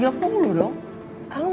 kadang kadang kau ingat itu t bagus